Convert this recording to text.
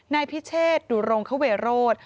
ในพิเศษดุรงคเวโรธ